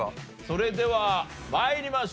それでは参りましょう。